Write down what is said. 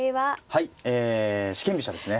はいえ四間飛車ですね。